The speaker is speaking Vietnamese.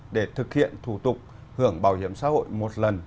để thực hiện thủ tục hưởng bảo hiểm xã hội một lần